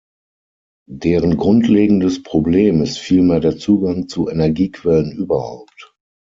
Deren grundlegendes Problem ist vielmehr der Zugang zu Energiequellen überhaupt.